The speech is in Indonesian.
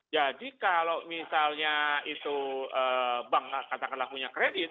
jadi kalau misalnya itu bank katakanlah punya kredit